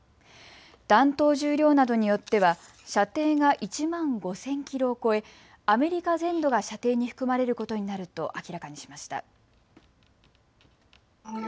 弾頭重量などによっては射程が１万５０００キロを超えアメリカ全土が射程に含まれることになると明らかにしました。